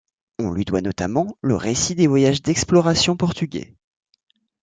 On lui doit notamment le récit des voyages d'exploration portugais.